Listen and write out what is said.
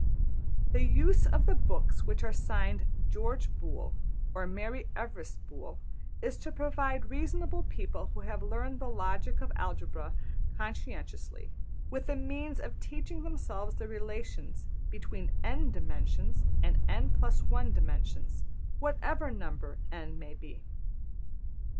The use of the books which are signed George Boole or Mary Everest Boole is to provide reasonable people, who have learned the logic of algebra conscientiously, with a means of teaching themselves the relations between $n$ dimensions and $n + 1$ dimensions, whatever number $n$ may be.